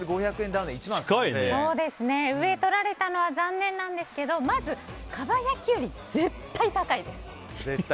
ダウンの上とられたのは残念なんですけどまずかば焼きより絶対に高いです。